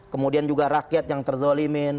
kemudian juga rakyat yang terzolimin